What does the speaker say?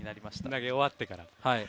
投げ終わってから。